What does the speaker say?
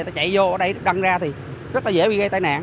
nó chạy vô ở đây đăng ra thì rất là dễ bị gây tai nạn